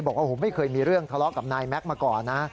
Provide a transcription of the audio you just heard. บอกว่าไม่เคยมีเรื่องทะเลาะกับนายแม็กซ์มาก่อนนะ